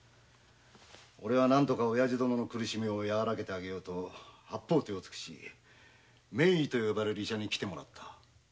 おれは何とかおやじ殿の苦しみをやわらげてやろうと八方手をつくし名医と呼ばれる医者に来てもらった。